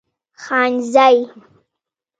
خانزۍ